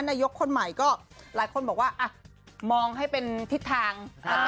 นายกคนใหม่ก็หลายคนบอกว่ามองให้เป็นทิศทาง